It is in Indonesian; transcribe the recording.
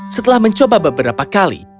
setelah mencoba beberapa kali